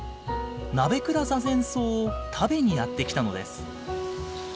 ナベクラザゼンソウを食べにやって来たのです。